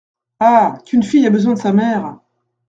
Ah ! qu’une fille a besoin de sa mère !